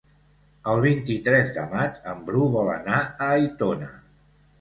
El vint-i-tres de maig en Bru vol anar a Aitona.